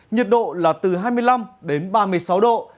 nhiệt độ là từ hai mươi năm ba mươi sáu độ